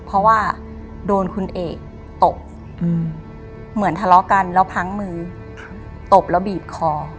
เพราะว่าโดนคุณเอกตบเหมือนทะเลาะกันแล้วพังมือตบแล้วบีบคอ